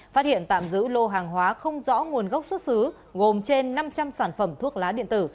phát hiện tạm giữ lô hàng hóa không rõ nguồn gốc xuất xứ gồm trên năm trăm linh sản phẩm thuốc lá điện tử